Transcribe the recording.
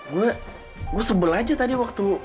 gue gue sebel aja tadi waktu